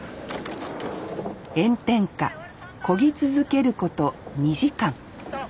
炎天下漕ぎ続けること２時間。